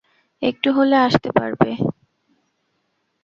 একটু হলে আসতে পারবে?